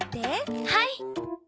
はい。